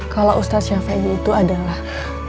kalo ustadz shafi'i itu adalah